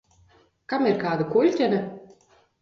Kam ir kāda kuļķene?